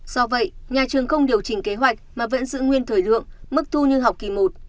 do vậy nhà trường không điều chỉnh kế hoạch mà vẫn giữ nguyên thời lượng mức thu như học kỳ một